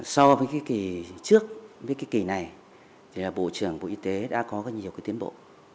so với cái kỳ trước với cái kỳ này thì bộ trưởng bộ y tế đã có nhiều cái tiến bộ